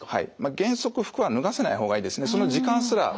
原則服は脱がせない方がいいですね。